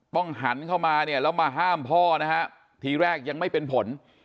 หันเข้ามาเนี่ยแล้วมาห้ามพ่อนะฮะทีแรกยังไม่เป็นผล